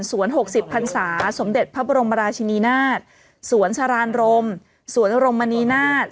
๖๐พันศาสมเด็จพระบรมราชินีนาฏสวนสรานรมสวนรมณีนาฏ